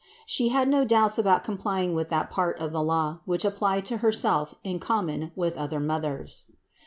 She had no doubts about complying with that part of the law, which applied to Herself in common with other mothers.